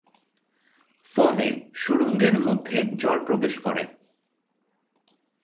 ফলে সুড়ঙ্গের মধ্যে জল প্রবেশ করে।